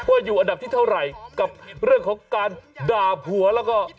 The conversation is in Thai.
อยู่อันดับที่เท่าไหร่กับเรื่องของการด่าผัวแล้วก็